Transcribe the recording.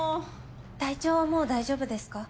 体調はもう大丈夫ですか？